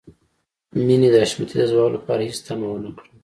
مينې د حشمتي د ځواب لپاره هېڅ تمه ونه کړه.